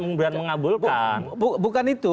mengabulkan bukan itu